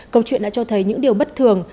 câu chuyện đã cho thấy những điều bất thường